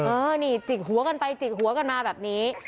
เออนี่จิกหัวกันไปจิกหัวกันมาแบบนี้